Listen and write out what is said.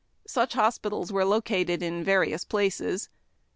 Such hospitals were located in various places.